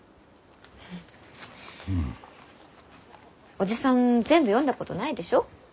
おじさん全部読んだことないでしょ？